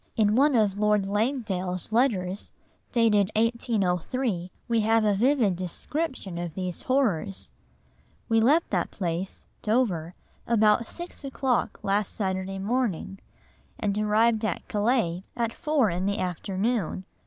In one of Lord Langdale's letters, dated 1803, we have a vivid description of these horrors: "We left that place [Dover] about six o'clock last Saturday morning, and arrived at Calais at four in the afternoon.